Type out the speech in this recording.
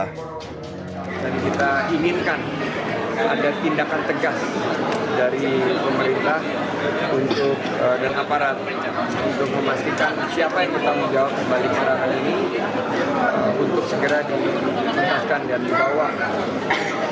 kita inginkan ada tindakan tegas dari pemerintah dan aparat untuk memastikan siapa yang bertanggung jawab sebalik serangan ini